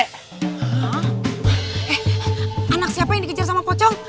eh anak siapa yang dikejar sama pocong